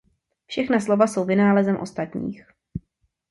Všechna slova jsou vynálezem ostatních.